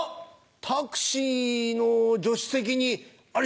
タクシーの助手席にあれ？